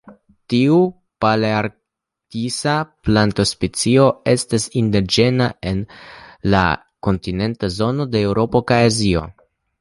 Tiu palearktisa plantospecio estas indiĝena en la kontinenta zono de Eŭropo kaj Azio.